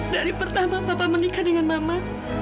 dari pertama papa menikah dengan mama